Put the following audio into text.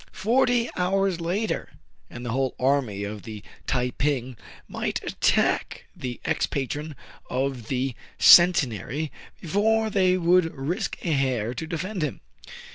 Forty hours later, and the whole army of the Tai ping might attack the ex patron of the Centenary before they would risk a hair to defend him.